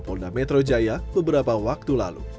polda metro jaya beberapa waktu lalu